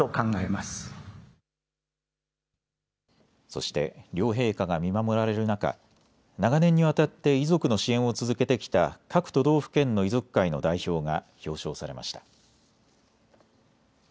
そして両陛下が見守られる中、長年にわたって遺族の支援を続けてきた各都道府県の遺族会の代表が表彰されました。